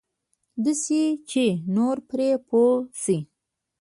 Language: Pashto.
داسې چې نور پرې پوه شي.